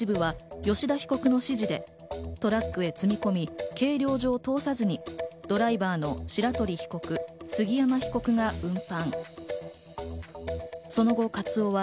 カツオの一部は吉田被告の指示でトラックへ積み込み計量場を通さずにドライバーの白鳥被告、杉山被告が運搬。